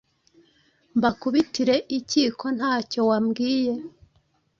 Mbakubitire icyi ko ntacyo wambwiye